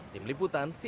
tim liputan cnn indonesia